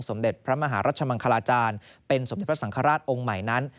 สมเด็จพระมหารัชมังคลาจารย์เป็นสมเด็จพระสังฆราชองค์ใหม่นั้น